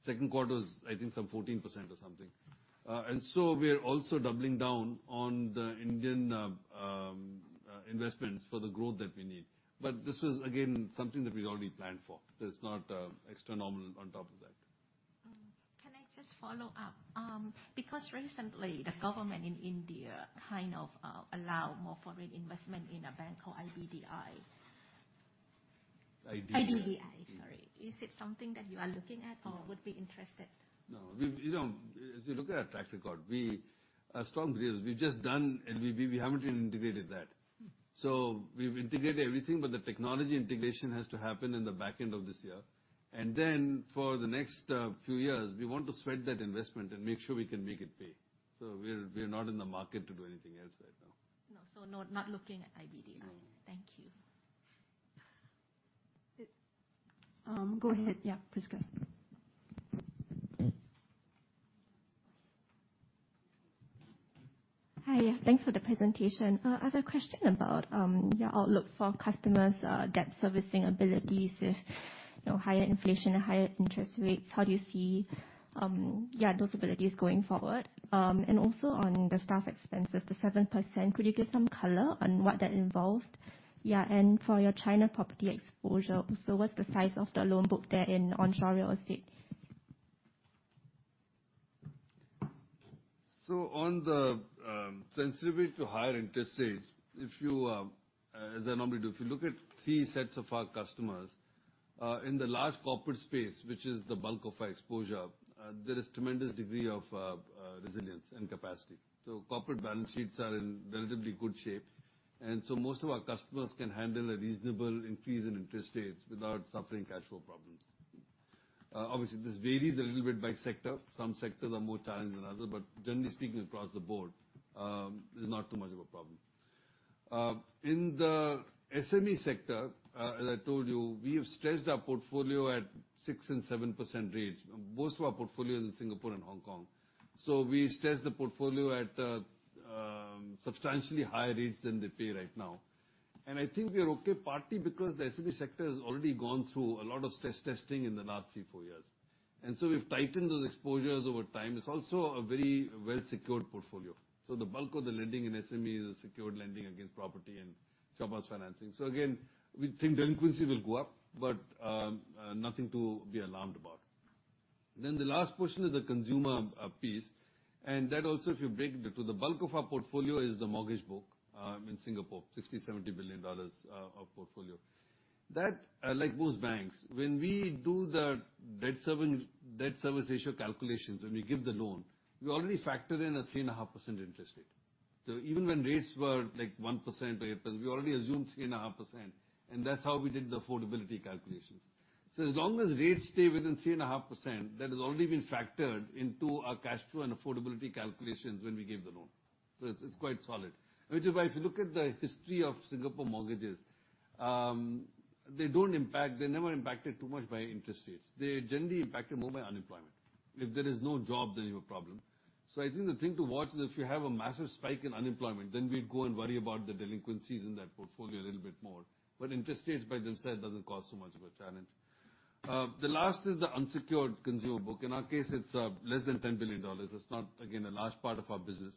Second quarter was, I think, some 14% or something. We're also doubling down on the Indian investments for the growth that we need. This was, again, something that we'd already planned for. There's not extraordinary on top of that. Can I just follow up? Because recently the government in India kind of allowed more foreign investment in a bank called IDBI. IDBI. IDBI, sorry. Is it something that you are looking at or would be interested? No. We've, you know, as you look at our track record, we are strong believers. We've just done LVB, we haven't even integrated that. We've integrated everything, but the technology integration has to happen in the back end of this year. For the next few years, we want to spread that investment and make sure we can make it pay. We're not in the market to do anything else right now. No. Not looking at IDBI. No. Thank you. Go ahead. Yeah, Priska. Hi. Thanks for the presentation. I have a question about your outlook for customers' debt servicing abilities. If you know higher inflation and higher interest rates, how do you see those abilities going forward? Also on the staff expenses, the 7%, could you give some color on what that involved? For your China property exposure also, what's the size of the loan book there in onshore real estate? On the sensitivity to higher interest rates, as I normally do, if you look at three sets of our customers in the large corporate space, which is the bulk of our exposure, there is a tremendous degree of resilience and capacity. Corporate balance sheets are in relatively good shape, and so most of our customers can handle a reasonable increase in interest rates without suffering cash flow problems. Obviously, this varies a little bit by sector. Some sectors are more challenged than others, but generally speaking, across the board, there's not too much of a problem. In the SME sector, as I told you, we have stressed our portfolio at 6% and 7% rates. Most of our portfolio is in Singapore and Hong Kong. We stress the portfolio at substantially higher rates than they pay right now. I think we are okay partly because the SME sector has already gone through a lot of stress testing in the last three, four years. We've tightened those exposures over time. It's also a very well-secured portfolio. The bulk of the lending in SME is a secured lending against property and invoice financing. Again, we think delinquency will go up, but nothing to be alarmed about. The last portion is the consumer piece, and that also if you break into the bulk of our portfolio is the mortgage book in Singapore, 60 billion-70 billion Singapore dollars of portfolio. Like most banks, when we do the debt service ratio calculations, when we give the loan, we already factor in a 3.5% interest rate. Even when rates were like 1% or 0.8%, we already assumed 3.5%, and that's how we did the affordability calculations. As long as rates stay within 3.5%, that has already been factored into our cash flow and affordability calculations when we give the loan. It's quite solid. Which is why if you look at the history of Singapore mortgages, they don't impact, they're never impacted too much by interest rates. They're generally impacted more by unemployment. If there is no job, then you have a problem. I think the thing to watch is if you have a massive spike in unemployment, then we'd go and worry about the delinquencies in that portfolio a little bit more. Interest rates by themselves doesn't cause so much of a challenge. The last is the unsecured consumer book. In our case, it's less than 10 billion dollars. It's not, again, a large part of our business.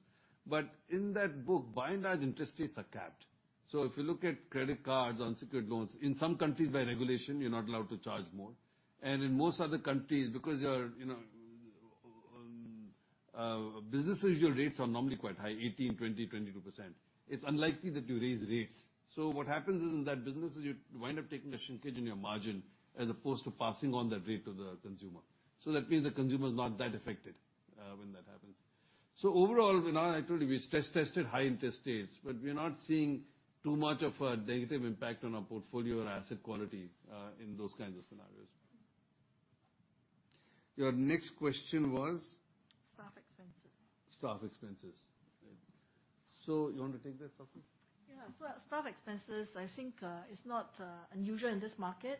In that book, by and large, interest rates are capped. If you look at credit cards, unsecured loans, in some countries by regulation, you're not allowed to charge more. In most other countries, because you're, you know, businesses, your rates are normally quite high, 18%, 20%, 22%. It's unlikely that you raise rates. What happens is that businesses, you wind up taking a shrinkage in your margin as opposed to passing on that rate to the consumer. That means the consumer is not that affected, when that happens. Overall, we're not, actually, we stress tested high interest rates, but we're not seeing too much of a negative impact on our portfolio or asset quality, in those kinds of scenarios. Your next question was? Staff expenses. Staff expenses. You want to take that, Sok Hui? Yeah. Staff expenses, I think, is not unusual in this market.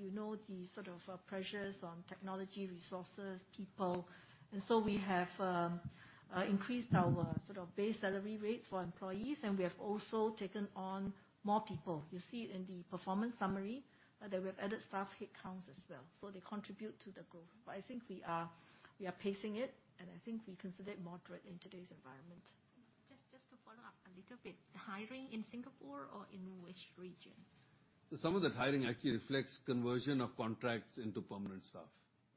You know, the sort of pressures on technology, resources, people. We have increased our sort of base salary rates for employees, and we have also taken on more people. You see it in the performance summary, that we have added staff headcounts as well. They contribute to the growth. I think we are pacing it, and I think we consider it moderate in today's environment. Just to follow up a little bit. Hiring in Singapore or in which region? Some of that hiring actually reflects conversion of contracts into permanent staff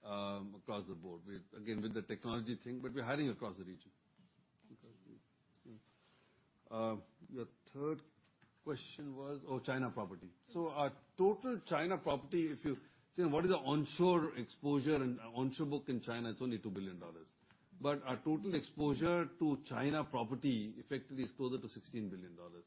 across the board. Again, with the technology thing, but we're hiring across the region. I see. Thank you. Your third question was? Oh, China property. Our total China property, if you say what is the onshore exposure and onshore book in China, it's only 2 billion dollars. But our total exposure to China property effectively is closer to 16 billion dollars.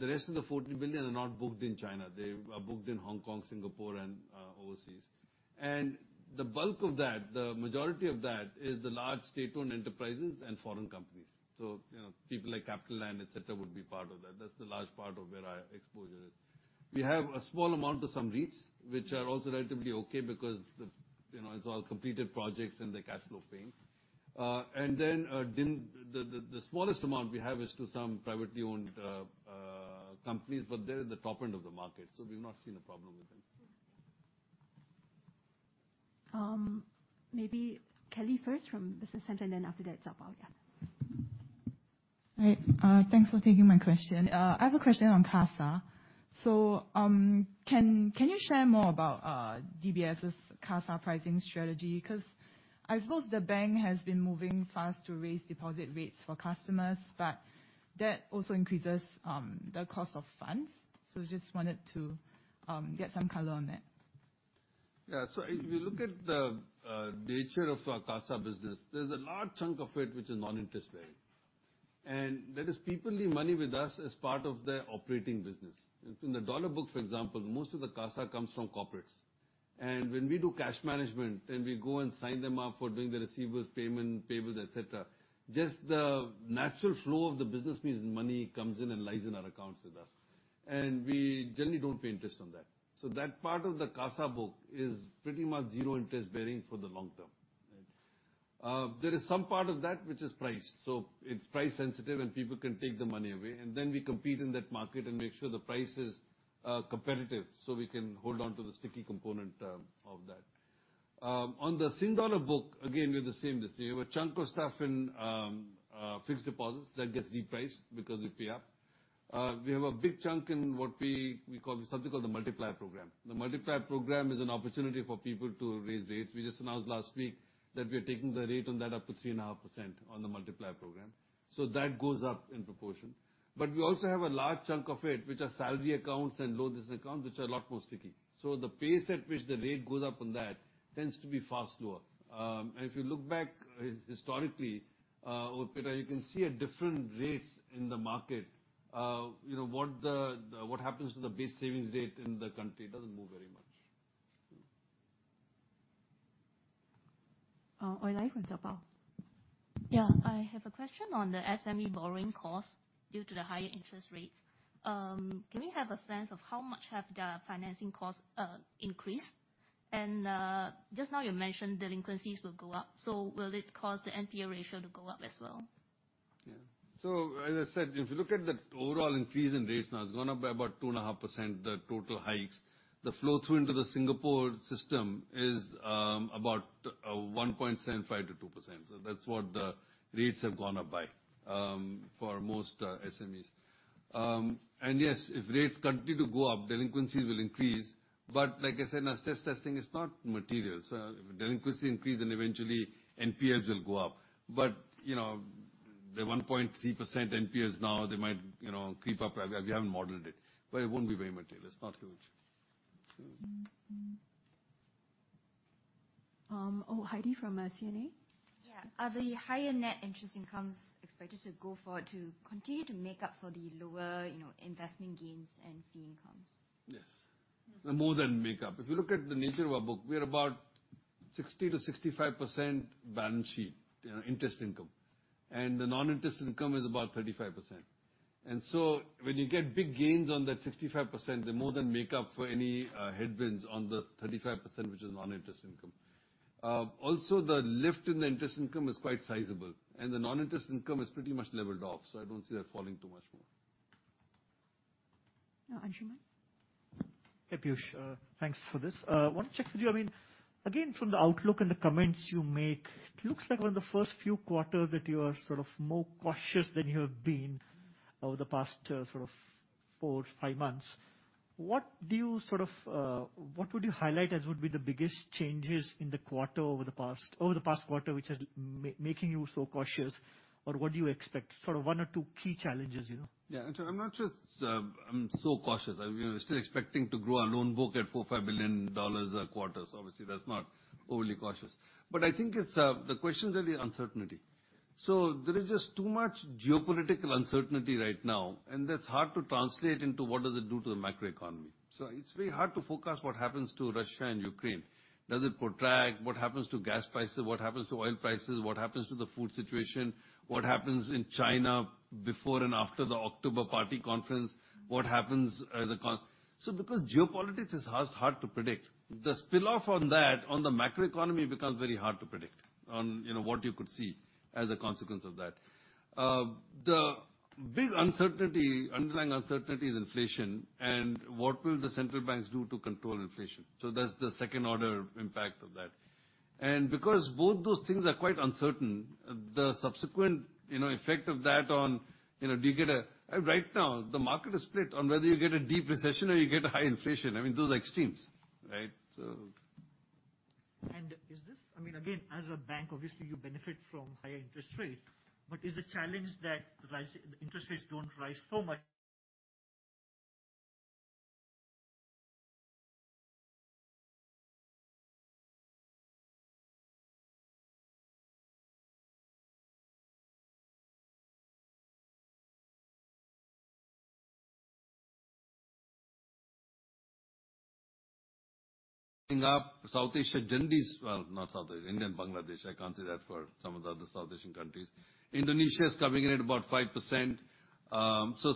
The rest of the 14 billion are not booked in China. They are booked in Hong Kong, Singapore and overseas. The bulk of that, the majority of that is the large state-owned enterprises and foreign companies. You know, people like CapitaLand, et cetera, would be part of that. That's the large part of where our exposure is. We have a small amount to some REITs, which are also relatively okay because the, you know, it's all completed projects and the cashflow paying. The smallest amount we have is to some privately owned companies, but they're the top end of the market, so we've not seen a problem with them. Maybe Kelly first from [Business Sense], and then after that, Zaobao. Right. Thanks for taking my question. I have a question on CASA. Can you share more about DBS's CASA pricing strategy? 'Cause I suppose the bank has been moving fast to raise deposit rates for customers, but that also increases the cost of funds. Just wanted to get some color on that. Yeah. If you look at the nature of our CASA business, there's a large chunk of it which is non-interest bearing. That is people leave money with us as part of their operating business. In the dollar book, for example, most of the CASA comes from corporates. When we do cash management and we go and sign them up for doing the receivables payment, payables, et cetera, just the natural flow of the business means money comes in and lies in our accounts with us. We generally don't pay interest on that. That part of the CASA book is pretty much zero interest bearing for the long term. Right? There is some part of that which is priced, so it's price sensitive and people can take the money away, and then we compete in that market and make sure the price is competitive so we can hold onto the sticky component of that. On the Singapore dollar book, again, we have the same distinction. We have a chunk of stuff in fixed deposits that gets repriced because we pay up. We have a big chunk in what we call something called the Multiplier Program. The Multiplier Program is an opportunity for people to raise rates. We just announced last week that we're taking the rate on that up to 3.5% on the Multiplier Program. That goes up in proportion. We also have a large chunk of it, which are salary accounts and loans account, which are a lot more sticky. The pace at which the rate goes up on that tends to be far slower. If you look back historically, or you can see at different rates in the market, you know, what happens to the base savings rate in the country, it doesn't move very much. Oh, Oi Lai from Zaobao. Yeah. I have a question on the SME borrowing cost due to the higher interest rates. Can we have a sense of how much have the financing costs increased? Just now you mentioned delinquencies will go up. Will it cause the NPA ratio to go up as well? Yeah. As I said, if you look at the overall increase in rates now, it's gone up by about 2.5%, the total hikes. The flow through into the Singapore system is about 1.75%-2%. That's what the rates have gone up by for most SMEs. Yes, if rates continue to go up, delinquencies will increase. Like I said, in a stress testing, it's not material. If delinquency increase then eventually NPAs will go up. You know, the 1.3% NPAs now, they might, you know, creep up. We haven't modeled it, but it won't be very material. It's not huge. Heidi from CNA. Yeah. Are the higher net interest incomes expected to go forward to continue to make up for the lower, you know, investment gains and fee incomes? Yes. More than make up. If you look at the nature of our book, we are about 60%-65% balance sheet, you know, interest income. The non-interest income is about 35%. When you get big gains on that 65%, they more than make up for any headwinds on the 35%, which is non-interest income. Also, the lift in the interest income is quite sizable and the non-interest income is pretty much leveled off. I don't see that falling too much more. Now Anshuman. Hey, Piyush, thanks for this. Want to check with you. I mean, again, from the outlook and the comments you make, it looks like one of the first few quarters that you are sort of more cautious than you have been over the past, sort of four, five months. What do you sort of, what would you highlight as would be the biggest changes in the quarter over the past quarter, which is making you so cautious? Or what do you expect, sort of one or two key challenges, you know? Yeah. Anshuman, I'm not just I'm so cautious. I'm you know still expecting to grow our loan book at 4 billion-5 billion dollars a quarter. Obviously that's not overly cautious. I think it's the question's really uncertainty. There is just too much geopolitical uncertainty right now, and that's hard to translate into what does it do to the macroeconomy. It's very hard to forecast what happens to Russia and Ukraine. Does it protract? What happens to gas prices? What happens to oil prices? What happens to the food situation? What happens in China before and after the October party conference? Because geopolitics is hard to predict, the spillover on that, on the macroeconomy becomes very hard to predict, you know, what you could see as a consequence of that. The big uncertainty, underlying uncertainty is inflation and what will the central banks do to control inflation. That's the second order impact of that. Because both those things are quite uncertain, the subsequent, you know, effect of that on, you know. Right now the market is split on whether you get a deep recession or you get a high inflation. I mean, those are extremes, right? Is this, I mean, again, as a bank, obviously you benefit from higher interest rates, but is the challenge that interest rates don't rise so much? Well, not South Asia, India and Bangladesh. I can't say that for some of the other South Asian countries. Indonesia's coming in at about 5%.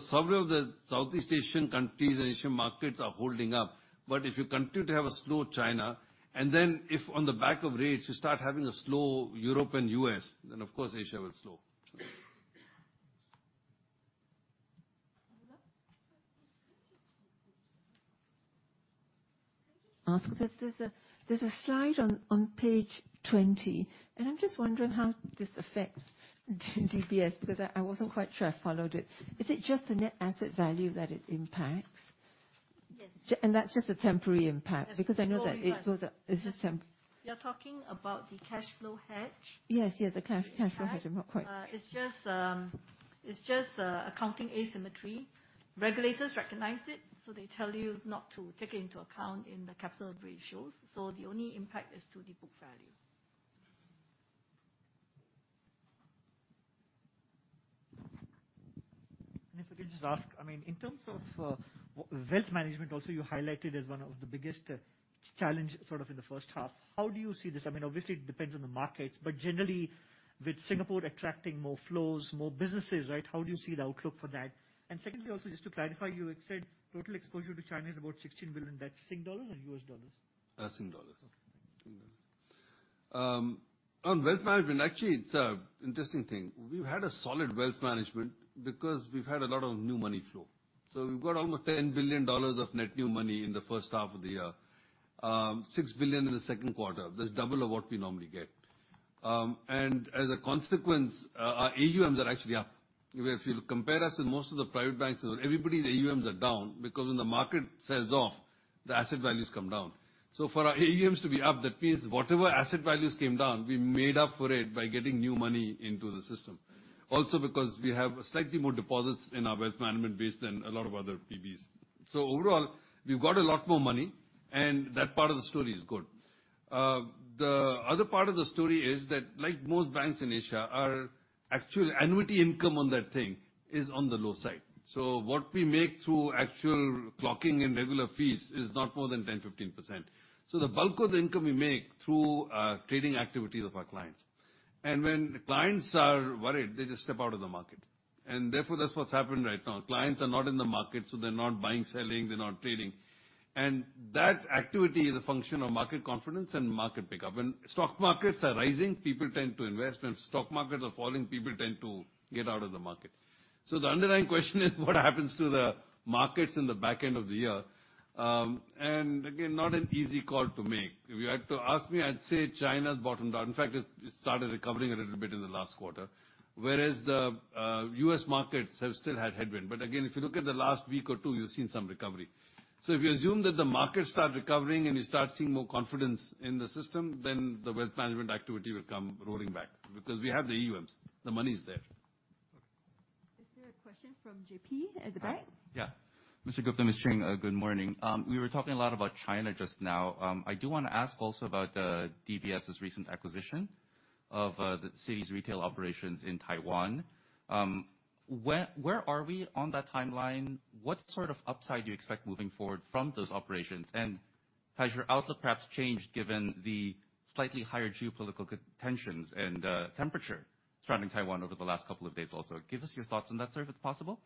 Several of the Southeast Asian countries and Asian markets are holding up. If you continue to have a slow China, and then if on the back of rates you start having a slow Europe and U.S., then of course Asia will slow. Can I just ask, there's a slide on page 20, and I'm just wondering how this affects DBS, because I wasn't quite sure I followed it. Is it just the net asset value that it impacts? Yes. That's just a temporary impact? Yes. Because I know that it goes up. It's just temp. You're talking about the Cash Flow Hedge? Yes, the Cash Flow Hedge. I'm not quite. It's just accounting asymmetry. Regulators recognize it, so they tell you not to take it into account in the capital ratios. The only impact is to the book value. If I could just ask, I mean, in terms of wealth management also you highlighted as one of the biggest challenge sort of in the first half. How do you see this? I mean, obviously it depends on the markets. Generally, with Singapore attracting more flows, more businesses, right? How do you see the outlook for that? Secondly, also, just to clarify, you had said total exposure to China is about 16 billion. That's Singapore dollar or U.S. dollars? Singapore dollars. Okay. On wealth management, actually, it's an interesting thing. We've had a solid wealth management because we've had a lot of new money flow. We've got almost 10 billion dollars of net new money in the first half of the year. 6 billion in the second quarter. That's double of what we normally get. And as a consequence, our AUMs are actually up. If you compare us with most of the private banks, everybody's AUMs are down because when the market sells off, the asset values come down. For our AUMs to be up, that means whatever asset values came down, we made up for it by getting new money into the system. Also because we have slightly more deposits in our wealth management base than a lot of other PB's. Overall, we've got a lot more money and that part of the story is good. The other part of the story is that like most banks in Asia, our actual annuity income on that thing is on the low side. What we make through actual clocking and regular fees is not more than 10%-15%. The bulk of the income we make through trading activities of our clients. When clients are worried, they just step out of the market. Therefore, that's what's happened right now. Clients are not in the market, so they're not buying, selling, they're not trading. That activity is a function of market confidence and market pickup. When stock markets are rising, people tend to invest. When stock markets are falling, people tend to get out of the market. The underlying question is what happens to the markets in the back end of the year? Again, not an easy call to make. If you had to ask me, I'd say China's bottomed out. In fact, it started recovering a little bit in the last quarter. Whereas the U.S. markets have still had headwinds. Again, if you look at the last week or two, you've seen some recovery. If you assume that the markets start recovering and you start seeing more confidence in the system, then the wealth management activity will come roaring back. Because we have the AUMs, the money is there. Okay. Is there a question from J.P. at the back? Hi. Yeah. Mr. Gupta, Ms. Chng, good morning. We were talking a lot about China just now. I do wanna ask also about DBS's recent acquisition of Citi's retail operations in Taiwan. Where are we on that timeline? What sort of upside do you expect moving forward from those operations? Has your outlook perhaps changed given the slightly higher geopolitical tensions and temperature surrounding Taiwan over the last couple of days also? Give us your thoughts on that, sir, if it's possible.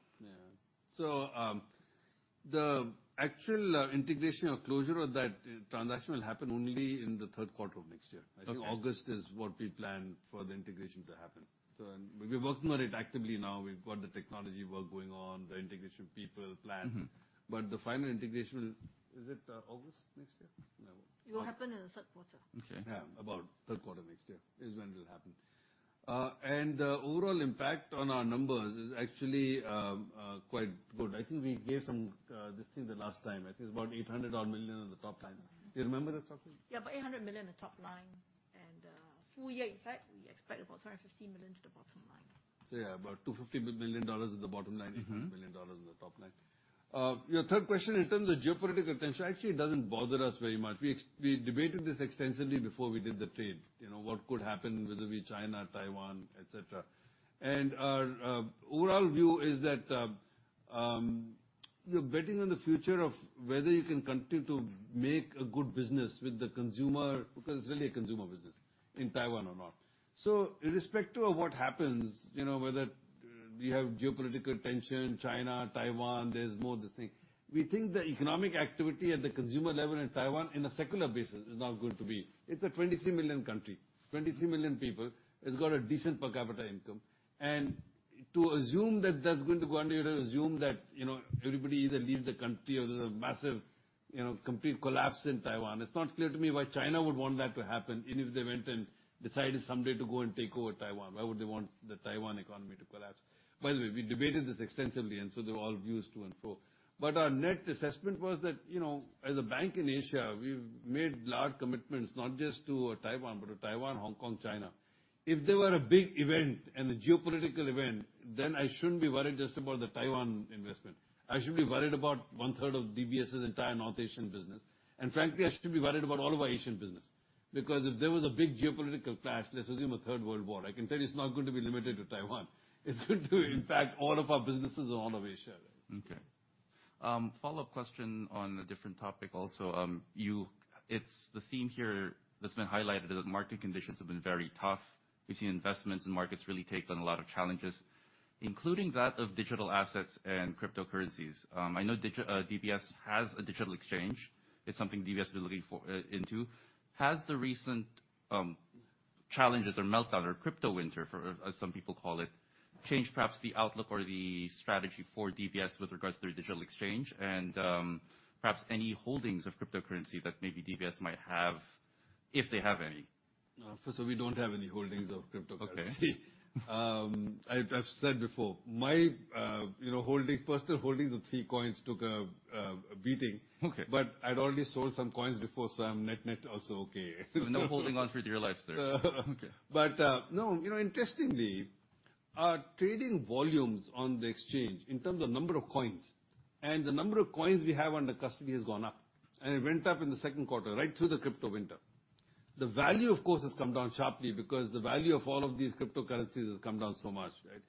The actual integration or closure of that transaction will happen only in the third quarter of next year. Okay. I think August is what we plan for the integration to happen. We've been working on it actively now. We've got the technology work going on, the integration of people planned. Mm-hmm. The final integration will. Is it August next year? It will happen in the third quarter. Okay. Yeah, about third quarter next year is when it'll happen. The overall impact on our numbers is actually quite good. I think we gave some this thing the last time. I think it's about 800 million-odd on the top line. Do you remember that roughly? Yeah, about 800 million on top line. Full year effect, we expect about 250 million to the bottom line. Yeah, about SGD 250 million at the bottom line. Mm-hmm 800 million dollars on the top line. Your third question in terms of geopolitical tension, actually it doesn't bother us very much. We debated this extensively before we did the trade. You know, what could happen vis-a-vis China, Taiwan, et cetera. Our overall view is that, you're betting on the future of whether you can continue to make a good business with the consumer, because it's really a consumer business in Taiwan or not. Irrespective of what happens, you know, whether you have geopolitical tension, China, Taiwan, there's more to think. We think the economic activity at the consumer level in Taiwan on a secular basis is not going to be. It's a 23 million country. 23 million people. It's got a decent per capita income. To assume that that's going to go under, you'd assume that, you know, everybody either leaves the country or there's a massive, you know, complete collapse in Taiwan. It's not clear to me why China would want that to happen, even if they went and decided someday to go and take over Taiwan. Why would they want the Taiwan economy to collapse? By the way, we debated this extensively, and so there were all views to and fro. Our net assessment was that, you know, as a bank in Asia, we've made large commitments not just to Taiwan, but to Taiwan, Hong Kong, China. If there were a big event and a geopolitical event, then I shouldn't be worried just about the Taiwan investment. I should be worried about one third of DBS's entire North Asian business. Frankly, I should be worried about all of our Asian business. Because if there was a big geopolitical clash, let's assume a third world war, I can tell you it's not going to be limited to Taiwan. It's going to impact all of our businesses in all of Asia. Okay. Follow-up question on a different topic also. It's the theme here that's been highlighted that market conditions have been very tough. We've seen investments and markets really take on a lot of challenges, including that of digital assets and cryptocurrencies. I know DBS has a digital exchange. It's something DBS been looking for into. Has the recent challenges or meltdown or crypto winter, as some people call it, changed perhaps the outlook or the strategy for DBS with regards to their digital exchange and perhaps any holdings of cryptocurrency that maybe DBS might have, if they have any? First of all, we don't have any holdings of cryptocurrency. Okay. I've said before, you know, my personal holdings of three coins took a beating. Okay. I'd already sold some coins before, so I'm net-net also okay. No holding on for dear life there. Okay. No, you know, interestingly, our trading volumes on the exchange in terms of number of coins and the number of coins we have under custody has gone up, and it went up in the second quarter right through the crypto winter. The value, of course, has come down sharply because the value of all of these cryptocurrencies has come down so much, right?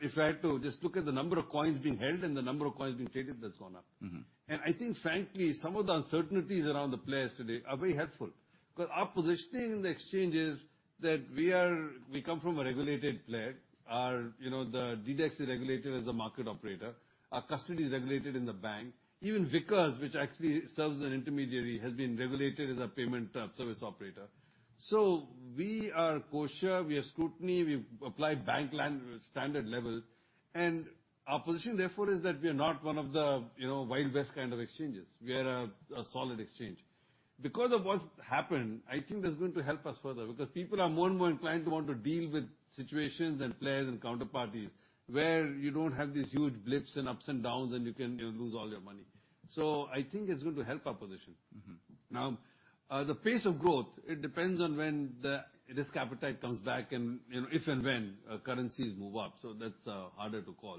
If I had to just look at the number of coins being held and the number of coins being traded, that's gone up. Mm-hmm. I think frankly some of the uncertainties around the players today are very helpful, 'cause our positioning in the exchange is that we come from a regulated player. Our, you know, the DDEx is regulated as a market operator. Our custody is regulated in the bank. Even Vickers, which actually serves as an intermediary, has been regulated as a payment service operator. We are kosher, we have scrutiny, we apply banking standard level. Our position therefore is that we are not one of the, you know, Wild West kind of exchanges. We are a solid exchange. Because of what's happened, I think that's going to help us further because people are more and more inclined to want to deal with situations and players and counterparties where you don't have these huge blips and ups and downs, and you can, you know, lose all your money. I think it's going to help our position. Mm-hmm. Now, the pace of growth, it depends on when the risk appetite comes back and, you know, if and when, currencies move up, so that's harder to call.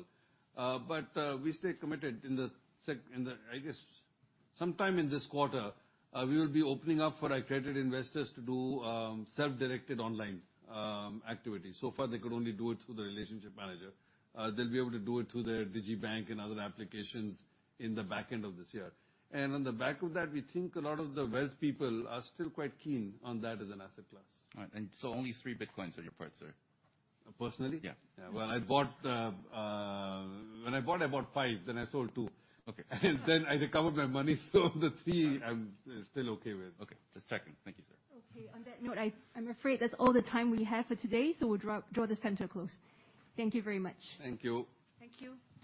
We stay committed. I guess sometime in this quarter, we will be opening up for our accredited investors to do self-directed online activities. So far they could only do it through their relationship manager. They'll be able to do it through their digibank and other applications in the back end of this year. On the back of that, we think a lot of the wealth people are still quite keen on that as an asset class. All right. Only three Bitcoins on your part, sir? Personally? Yeah. When I bought, I bought five, then I sold two. Okay. I recovered my money, so the three I'm still okay with. Okay. Just checking. Thank you, sir. Okay, on that note, I'm afraid that's all the time we have for today, so we'll draw this session to a close. Thank you very much. Thank you. Thank you.